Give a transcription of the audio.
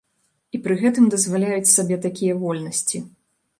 І пры гэтым дазваляюць сабе такія вольнасці.